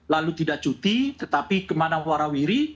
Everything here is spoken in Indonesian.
lalu tidak cuti tetapi kemana warawiri